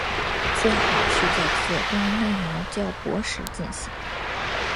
最好是在子宫内膜较薄时进行。